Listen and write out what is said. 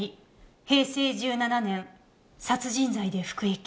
平成１７年殺人罪で服役。